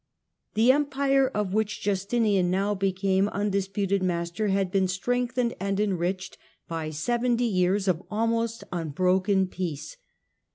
Accession The Empire of which Justinian now became undid tinlau puted master had been strengthened and enriched by seventy years of almost unbroken peace.